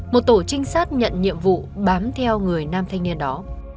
một tổ trinh sát nhận nhiệm vụ bám theo người nam thanh niên đó